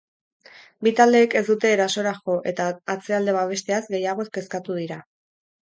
Bi taldeek ez dute erasora jo eta atzealdea babesteaz gehiago kezkatu dira.